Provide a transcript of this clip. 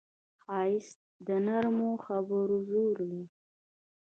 ښایست د نرمو خبرو زور دی